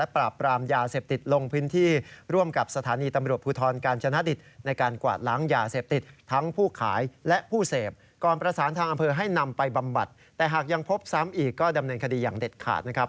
ก็ดำเนินคดีอย่างเด็ดขาดนะครับ